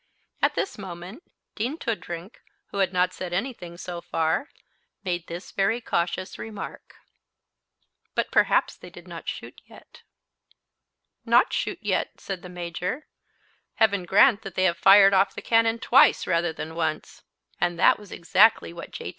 At this moment Dean Toodrink, who had not said anything so far, made this very cautious remark: But perhaps they did not shoot yet. "Not shoot yet," said the Major. "Heaven grant that they have fired off the cannon twice rather than once." And that was exactly what J.